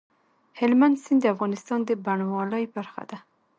هلمند سیند د افغانستان د بڼوالۍ برخه ده.